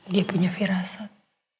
dia punya firasat